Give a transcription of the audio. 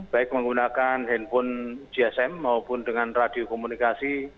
baik menggunakan handphone gsm maupun dengan radio komunikasi